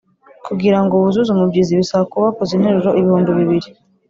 kugirango wuzuze umubyizi bisaba kuba wakoze interuro ibihumbi bibiri